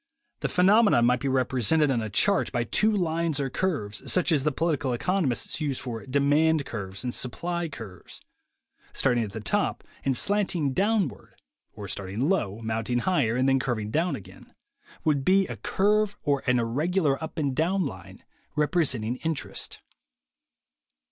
The phenomenon might be repre sented on a chart by two lines or curves, such as the political economists use for "demand curves" and "supply curves." Starting at the top, and slanting downward, (or starting low, mounting higher, and then curving down again) would be a THE WAY TO WILL POWER 151 curve or an irregular up and down line representing interest.